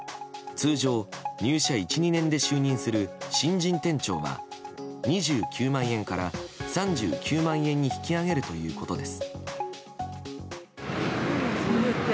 通常、入社１２年で就任する新人店長は２９万円から３９万円に引き上げるということです。